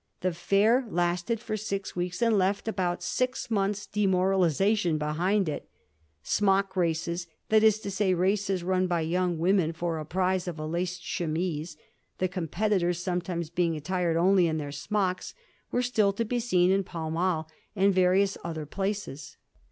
The fair lasted for six weeks, and left about six months' demoralisation behind it* * Smock races '— that is to say, races run by youngs women for a prize of a laced chemise, the competitors sometimes being attired only in their smocks — ^were still to be seen in Pall Mall and various other places.